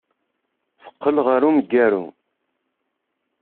Teqqel ɣer umgaru.